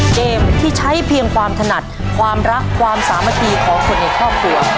เกมที่ใช้เพียงความถนัดความรักความสามัคคีของคนในครอบครัว